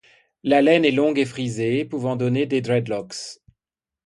La laine est longue et frisée, pouvant donner des dreadlocks.